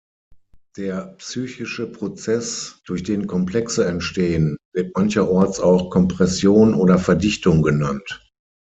Der psychische Prozess, durch den Komplexe entstehen, wird mancherorts auch „Kompression“ oder „Verdichtung“ genannt.